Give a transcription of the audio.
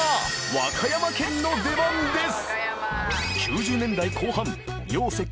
和歌山県の出番です